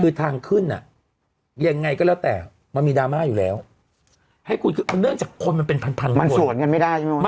คือทางขึ้นอ่ะยังไงก็แล้วแต่มันมีดราม่าอยู่แล้วให้คุณขึ้นเนื่องจากคนมันเป็นพันพันมันสวนกันไม่ได้ใช่ไหม